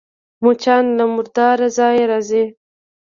مچان له مرداره ځایه راځي